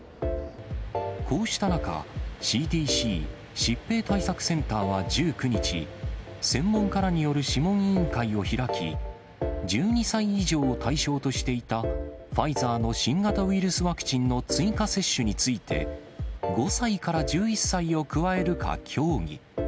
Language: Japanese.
こうした中、ＣＤＣ・疾病対策センターは１９日、専門家らによる諮問委員会を開き、１２歳以上を対象としていたファイザーの新型ウイルスワクチンの追加接種について、５歳から１１歳を加えるか協議。